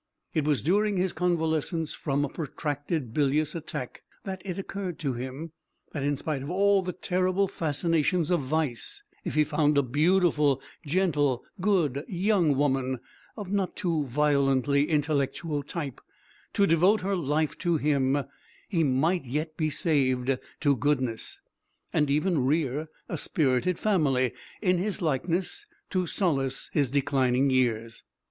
It was during his convalescence from a protracted bilious attack that it occurred to him that in spite of all the terrible fascinations of Vice, if he found a beautiful, gentle, good young woman of a not too violently intellectual type to devote her life to him, he might yet be saved to Goodness, and even rear a spirited family in his likeness to solace his declining years.